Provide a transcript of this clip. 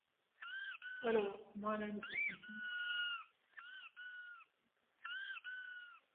The name means "bitter gin" in Malay.